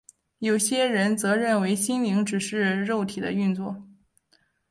有些人则认为心灵只是肉体的运作。